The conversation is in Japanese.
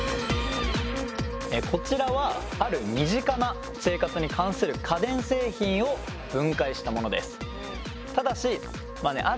こちらはある身近な生活に関する家電製品を分解したものです。